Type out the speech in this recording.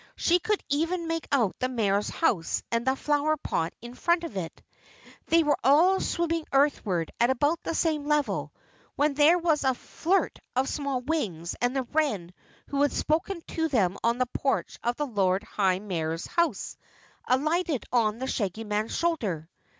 She could even make out the Mayor's house and the flower pot in front of it. They were all swimming earthward at about the same level, when there was a flirt of small wings and the wren who had spoken to them on the porch of the Lord High Mayor's house, alighted on the Shaggy Man's shoulder.